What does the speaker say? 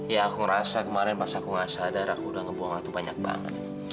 ya aku ngerasa kemarin pas aku gak sadar aku udah ngebuang waktu banyak banget